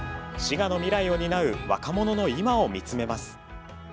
滋賀の未来を担う若者の今を見つめます。